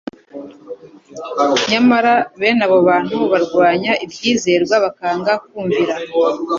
Nyamara bene abo bantu barwanya ibyizerwa bakanga kumvira,